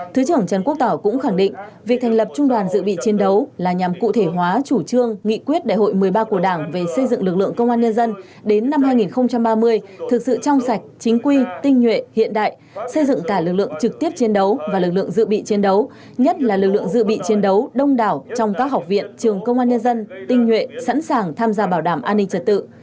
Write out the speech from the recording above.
thứ trưởng trần quốc tỏ cũng khẳng định việc thành lập trung đoàn dự bị chiến đấu là nhằm cụ thể hóa chủ trương nghị quyết đại hội một mươi ba của đảng về xây dựng lực lượng công an nhân dân đến năm hai nghìn ba mươi thực sự trong sạch chính quy tinh nhuệ hiện đại xây dựng cả lực lượng trực tiếp chiến đấu và lực lượng dự bị chiến đấu nhất là lực lượng dự bị chiến đấu đông đảo trong các học viện trường công an nhân dân tinh nhuệ sẵn sàng tham gia bảo đảm an ninh trật tự